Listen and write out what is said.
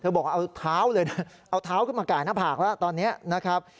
บอกว่าเอาเท้าเลยนะเอาเท้าขึ้นมากายหน้าผากแล้วตอนนี้นะครับ